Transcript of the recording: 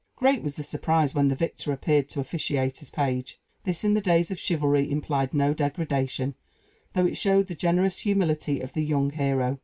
Great was the surprise when the victor appeared to officiate as page. This in the days of chivalry implied no degradation, though it showed the generous humility of the young hero.